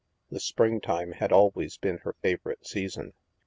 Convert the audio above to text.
The springtime had always been her favorite season.